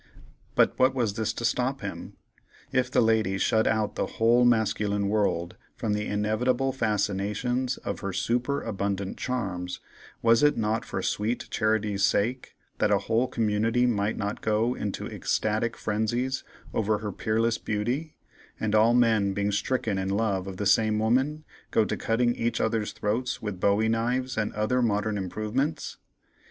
But was this to stop him? If the lady shut out the whole masculine world from the inevitable fascinations of her superabundant charms, was it not for sweet charity's sake, that a whole community might not go into ecstatic frenzies over her peerless beauty, and all men, being stricken in love of the same woman, go to cutting each other's throats with bowie knives and other modern improvements!